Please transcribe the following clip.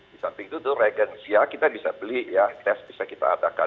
di samping itu regensia kita bisa beli ya tes bisa kita adakan